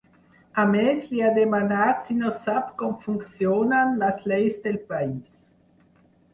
A més, li ha demanat si no sap com funcionen les lleis del país.